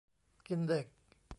กินเด็ก